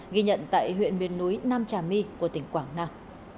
ghi nhận tại huyện miền núi nam trà my của tỉnh quảng nam